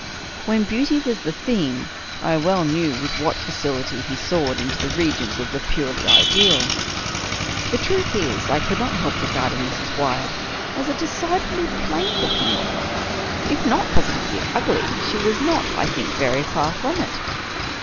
When beauty was the theme, I well knew with what facility he soared into the regions of the purely ideal. The truth is, I could not help regarding Mrs. Wyatt as a decidedly plain looking woman. If not positively ugly, she was not, I think, very far from it.